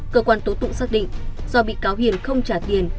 cơ quan tố tụng xác định do bị cáo hiền không trả tiền